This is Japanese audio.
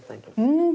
うん。